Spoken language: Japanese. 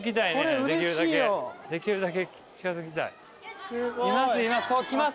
できるだけ近づきたい。